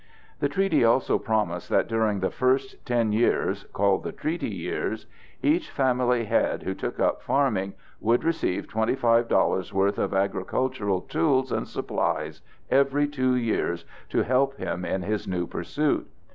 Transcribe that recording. The treaty also promised that during the first 10 years—called the Treaty Years—each family head who took up farming would receive $25 worth of agricultural tools and supplies every 2 years to help him in his new pursuit.